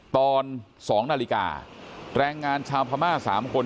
ตอน๒นาฬิกาแรงงานชาวพม่า๓คน